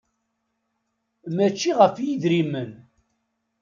Mačči ɣef yidrimen.